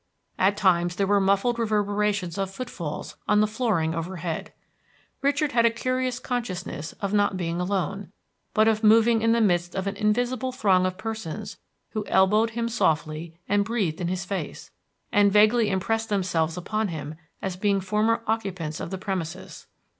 At times there were muffled reverberations of footfalls on the flooring overhead. Richard had a curious consciousness of not being alone, but of moving in the midst of an invisible throng of persons who elbowed him softly and breathed in his face, and vaguely impressed themselves upon him as being former occupants of the premises.